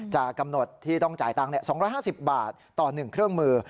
จะกำหนดที่ต้องจ่ายตังค์๒๕๐บาทต่อ๑เครื่องมือ